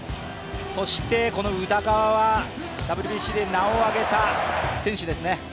そしてこの宇田川は、ＷＢＣで名を挙げた選手ですね。